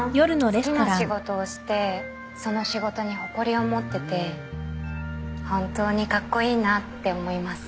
好きな仕事をしてその仕事に誇りを持ってて本当にカッコイイなって思います